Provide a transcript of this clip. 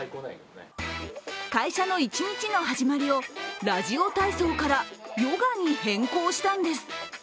会社の一日の始まりをラジオ体操からヨガに変更したんです。